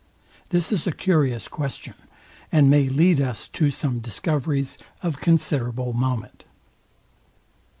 This is a curious question, and may lead us to some discoveries of considerable moment.